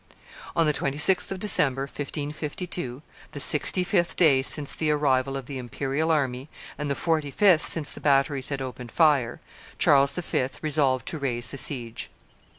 On the 26th of December, 1552, the sixty fifth day since the arrival of the imperial army and the forty fifth since the batteries had opened fire, Charles V. resolved to raise the siege.